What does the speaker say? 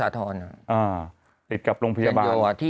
ติดกับโรงพยาบาล